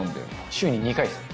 週に２回ですね。